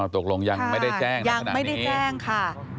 อ๋อตกลงยังไม่ได้แจ้งขนาดนี้